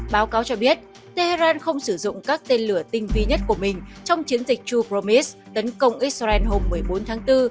báo cáo cho biết tehran không sử dụng các tên lửa tinh vi nhất của mình trong chiến dịch true promis tấn công israel hôm một mươi bốn tháng bốn